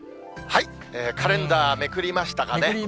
カレンダーめくりましたかね。